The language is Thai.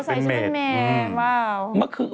รอของสายชุดเป็นเม็ดว้าว